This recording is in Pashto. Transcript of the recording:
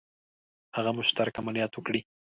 هغه مشترک عملیات وکړي.